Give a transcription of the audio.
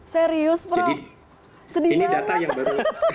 serius prof sedih banget